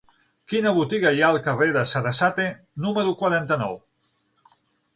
Quina botiga hi ha al carrer de Sarasate número quaranta-nou?